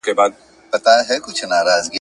وزیران مي له خبري نه تیریږي !.